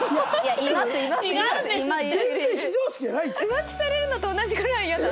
浮気されるのと同じぐらいイヤだ。